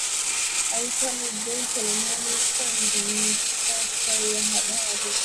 aitwa nurdin selemani kwanza ni mkhutsari wa habari